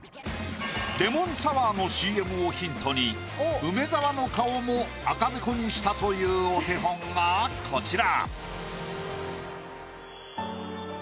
レモンサワーのＣＭをヒントに梅沢の顔も赤べこにしたというお手本がこちら。